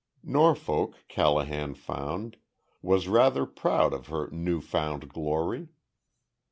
Norfolk, Callahan found, was rather proud of her new found glory.